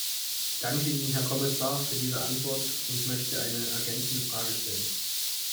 Ich danke Ihnen, Herr Kommissar, für diese Antwort und möchte eine ergänzende Frage stellen.